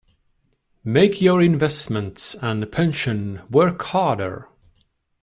Make your investments and pension work harder.